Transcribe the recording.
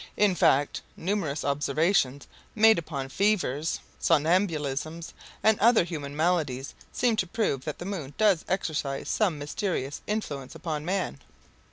In fact, numerous observations made upon fevers, somnambulisms, and other human maladies, seem to prove that the moon does exercise some mysterious influence upon man."